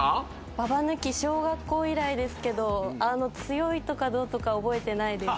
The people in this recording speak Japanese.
ババ抜き小学校以来ですけど強いとかどうとか覚えてないです。